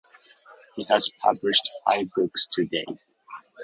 He has published five books to date.